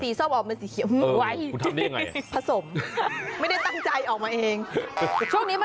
เดี๋ยวถ่ายบรรยากาศให้ดู